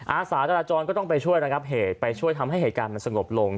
อาสาจราจรก็ต้องไปช่วยระงับเหตุไปช่วยทำให้เหตุการณ์มันสงบลง